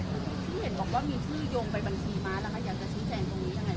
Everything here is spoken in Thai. ที่เห็นบอกว่ามีชื่อโยงไปบัญชีม้าล่ะคะอยากจะชี้แจงตรงนี้ยังไง